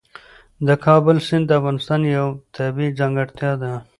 د کابل سیند د افغانستان یوه طبیعي ځانګړتیا ده.